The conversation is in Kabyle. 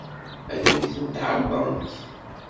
Ad iyi-tent-tɛeṛḍemt?